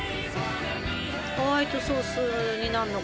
ホワイトソースになるのか。